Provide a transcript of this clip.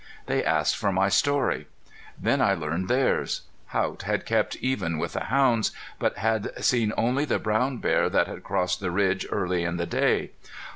They asked for my story. Then I learned theirs. Haught had kept even with the hounds, but had seen only the brown bear that had crossed the ridge early in the day.